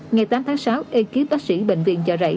ngày tám tháng sáu ekip bác sĩ bệnh viện chợ rẫy